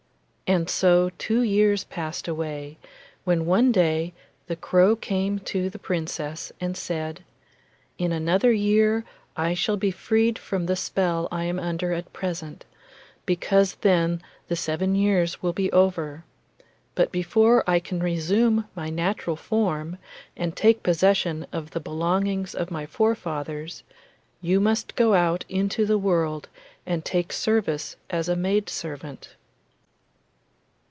And so two years passed away, when one day the crow came to the Princess and said: 'In another year I shall be freed from the spell I am under at present, because then the seven years will be over. But before I can resume my natural form, and take possession of the belongings of my forefathers, you must go out into the world and take service as a maidservant.